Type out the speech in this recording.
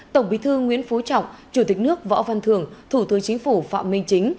tổng bí thư nguyễn phú trọng chủ tịch nước võ văn thường thủ tướng chính phủ phạm minh chính